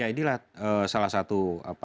ya inilah salah satu